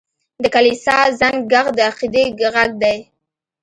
د کلیسا زنګ ږغ د عقیدې غږ دی.